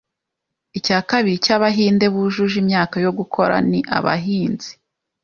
icyakabiri cy’abahinde bujuje imyaka yo gukora ni abahinzi